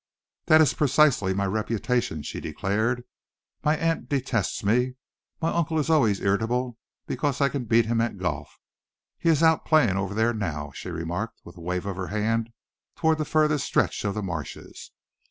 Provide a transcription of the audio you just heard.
"That is precisely my reputation," she declared. "My aunt detests me. My uncle is always irritable because I can beat him at golf. He is out playing over there now," she remarked, with a wave of her hand toward the furthest stretch of the marshes.